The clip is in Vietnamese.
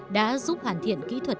đã giúp hoàn thiện kỹ thuật